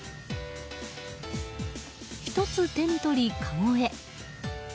１つ手に取り、かごへ。